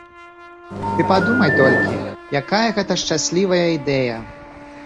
Ты падумай толькі, якая гэта шчаслівая ідэя!